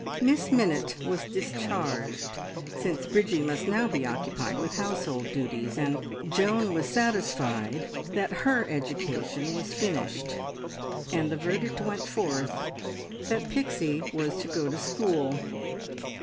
Miss Minnitt was discharged, since Bridgie must now be occupied with household duties, and Joan was satisfied that her education was finished. And the verdict went forth that Pixie was to go to school.